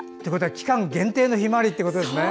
期間限定のひまわりということですね。